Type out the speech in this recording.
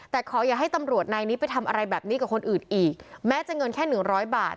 แต่ขออย่าให้ตำรวจนายนี้ไปทำอะไรแบบนี้กับคนอื่นอีกแม้จะเงินแค่หนึ่งร้อยบาท